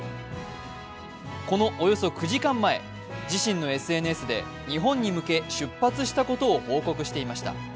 このおよそ９時間前、自身のＳＮＳで日本に向け出発したことを報告していました。